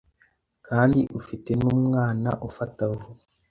kandi ufite numwana ufata vuba